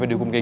wah ya tuhan